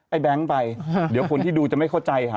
แบงค์ไปเดี๋ยวคนที่ดูจะไม่เข้าใจค่ะ